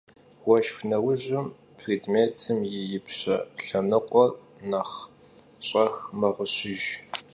Vueşşx neujım prêdmêtım yi yipşe lhenıkhuer nexh ş'ex meğuşıjj.